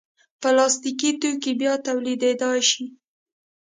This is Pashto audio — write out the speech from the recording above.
پلاستيکي توکي بیا تولیدېدای شي.